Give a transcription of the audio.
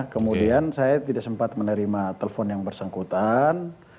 kemudian saya tidak sempat menerima telepon yang bersangkutan